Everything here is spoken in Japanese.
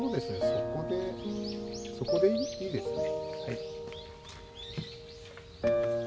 そこでそこでいいですね。